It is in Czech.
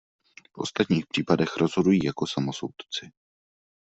V ostatních případech rozhodují jako samosoudci.